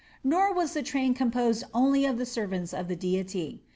Nor was the train composed only of servants of the deity.